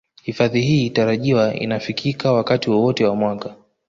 Hifadhi hii tarajiwa inafikika wakati wowote wa mwaka